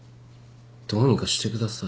どうにかしてください。